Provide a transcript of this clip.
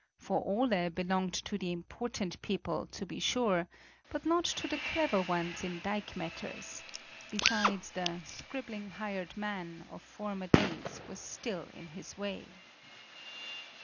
For Ole belonged to the important people, to be sure, but not to the clever ones in dike matters; besides, the "scribbling hired man" of former days was still in his way.